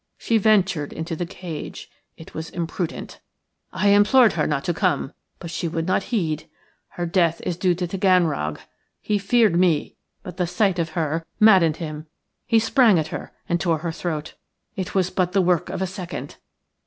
"She ventured into the cage; it was imprudent – I implored her not to come, but she would not heed. Her death is due to Taganrog. He feared me, but the sight of her maddened him. He sprang at her and tore her throat. It was but the work of a second.